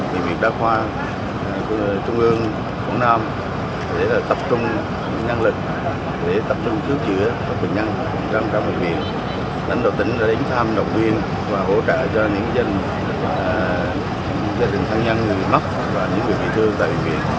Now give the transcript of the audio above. bệnh viện đa khoa trung ương tỉnh quảng nam đang tập trung nguyên nhân vụ tai nạn giao thông đặc biệt nghiêm trọng này